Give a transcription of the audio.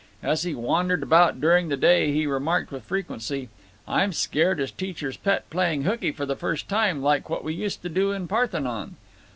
As he wandered about during the day he remarked with frequency, "I'm scared as teacher's pet playing hookey for the first time, like what we used to do in Parthenon."